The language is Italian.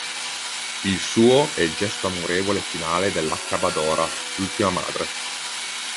Il suo è il gesto amorevole e finale dell'accabadora, l'ultima madre.